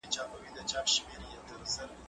مېوې د مور له خوا راټولې کيږي؟!